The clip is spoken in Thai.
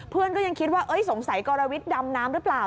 เพื่อนก็ยังคิดว่าสงสัยกรวิทย์ดำน้ำหรือเปล่า